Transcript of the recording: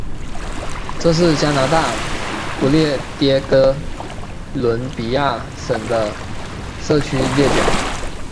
这是加拿大不列颠哥伦比亚省的社区列表。